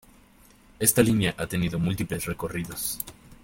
Esta línea ha tenido múltiples recorridos.